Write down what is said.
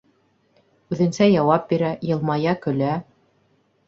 Үҙенсә яуап бирә, йылмая-көлә.